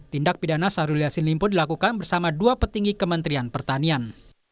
tindak pidana syahrul yassin limpo dilakukan bersama dua petinggi kementerian pertanian